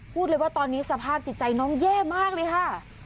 พูดเลยว่าตอนนี้สภาพจิตใจน้องแย่มากเลยค่ะ